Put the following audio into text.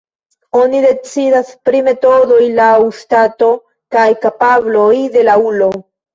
Oni decidas pri metodoj laŭ stato kaj kapabloj de la ulo.